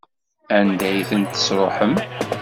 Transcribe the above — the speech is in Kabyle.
Anda ay tent-tesṛuḥem?